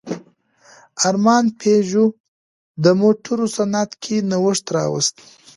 ارمان پيژو د موټرو صنعت کې نوښت راوست.